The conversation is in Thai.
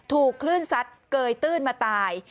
ถูกคลื่นซัดเกยตื้นมาตาย